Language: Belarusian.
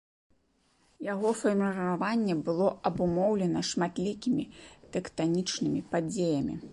Яго фарміраванне было абумоўлена шматлікімі тэктанічнымі падзеямі.